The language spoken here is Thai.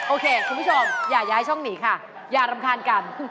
โอเคคุณผู้ชมอย่าย้ายช่องหนีค่ะอย่ารำคาญกัน